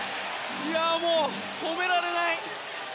もう止められない。